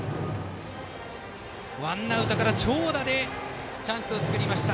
ワンアウトから長打でチャンスを作りました